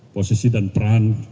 posisi dan peran